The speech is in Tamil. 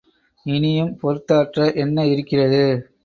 இனியும் பொறுத்தாற்ற என்ன இருக்கிறது?